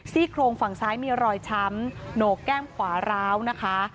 โครงฝั่งซ้ายมีรอยช้ำโหนกแก้มขวาร้าวนะคะ